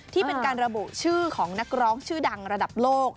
ที่เป็นการระบุชื่อของนักร้องชื่อดังระดับโลก